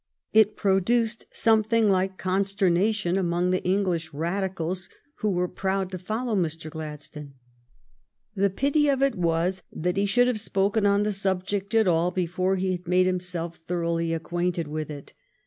It produced something like consternation among the English Radicals who were proud to follow Mr. Glad stone. The pity of it was that he should have spoken on the subject at all before he had made himself thoroughly acquainted with it.